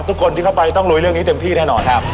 ทุกคนที่เข้าไปต้องลุยเรื่องนี้เต็มที่แน่นอนครับ